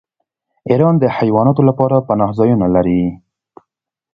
ایران د حیواناتو لپاره پناه ځایونه لري.